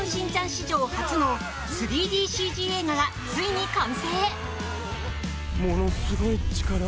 史上初の３ＤＣＧ映画がついに完成。